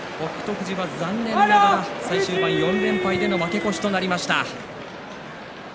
富士は残念ながら最終盤４連敗での負け越しとなりました。